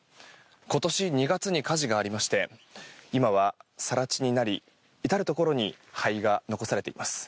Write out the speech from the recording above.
今年２月に火事がありまして今は更地になり至るところに灰が残されています。